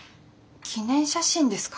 記念写真ですか？